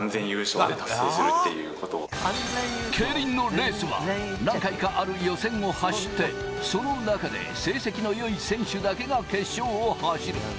競輪のレースは何回かある予選を走って、その中で成績の良い選手だけが決勝を走る。